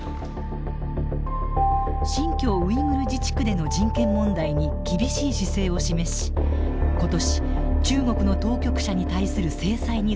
新疆ウイグル自治区での人権問題に厳しい姿勢を示し今年中国の当局者に対する制裁に踏み切りました。